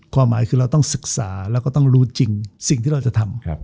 ความหมายคือเราต้องศึกษาแล้วก็ต้องรู้จริงสิ่งที่เราจะทำ